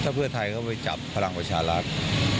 ถ้าเพื่อไทยเข้าไปจับพลังประชารัฐ